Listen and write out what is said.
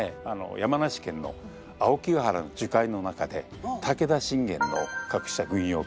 山梨県の青木ヶ原の樹海の中で武田信玄の隠した軍用金